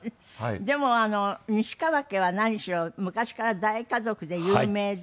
でもあの西川家は何しろ昔から大家族で有名で。